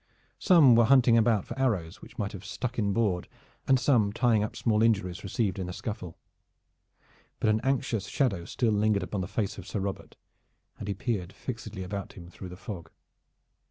Some were hunting about for arrows which might have stuck inboard, and some tying up small injuries received in the scuffle. But an anxious shadow still lingered upon the face of Sir Robert, and he peered fixedly about him through the fog.